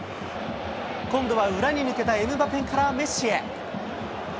今度は裏に抜けたエムバペからメッシへ。